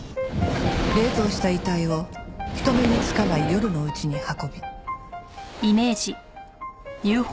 冷凍した遺体を人目につかない夜のうちに運び。